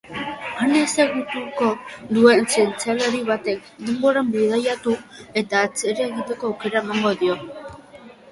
Han ezagutuko duen zientzialari batek denboran bidaiatu eta atzera egiteko aukera emango dio.